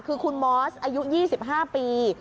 คือคุณมอสอายุ๒๕ปี